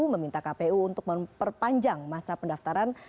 meminta kpu untuk memperpanjang masa pendaftaran